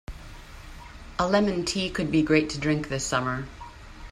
A lemon tea could be great to drink this summer.